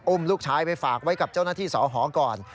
ลูกชายไปฝากไว้กับเจ้าหน้าที่สอหอก่อน